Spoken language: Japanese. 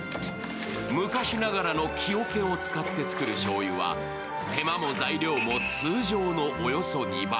昔ながらの木おけを使って作るしょうゆは、手間も材料も通常のおよそ２倍。